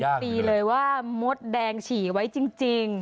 ตีเลยว่ามดแดงฉี่ไว้จริง